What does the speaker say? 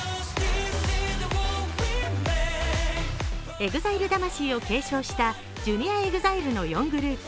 ＥＸＩＬＥ魂を継承したＪｒ．ＥＸＩＬＥの４グループ。